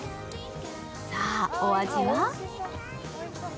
さあ、お味は？